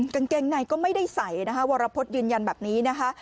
กางเกงในก็ไม่ได้ใส่นะคะวรพฤษยืนยันแบบนี้นะคะ